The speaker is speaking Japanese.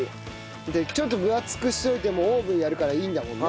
でちょっと分厚くしといてもオーブンやるからいいんだもんね。